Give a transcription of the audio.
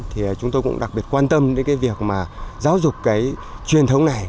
thì chúng tôi cũng đặc biệt quan tâm đến cái việc mà giáo dục cái truyền thống này